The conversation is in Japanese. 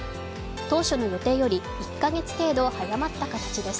当初の予定より１カ月程度早まった形です。